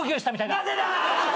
なぜだ！？